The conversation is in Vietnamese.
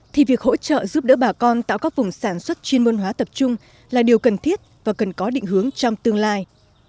thì việc hỗ trợ giúp đỡ bà con tạo các vùng sản xuất chuyên môn hóa tập trung là điều cần thiết và cần có định hướng trong tương lai